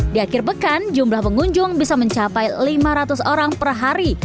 di akhir pekan jumlah pengunjung bisa mencapai lima ratus orang per hari